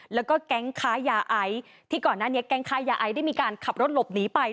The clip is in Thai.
แล้วก็แก๊งค้ายาไอที่ก่อนหน้านี้แก๊งค้ายาไอได้มีการขับรถหลบหนีไป